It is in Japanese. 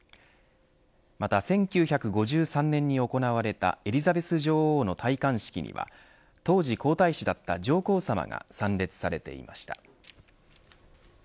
また、１９５３年に行われたエリザベス女王の戴冠式には当時皇太子だった上皇さまが参列されていました。